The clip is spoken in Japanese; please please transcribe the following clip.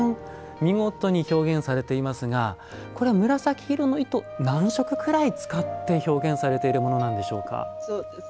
見事に表現されていますがこれは紫色の糸何色くらい使って表現されているものなんでしょうか。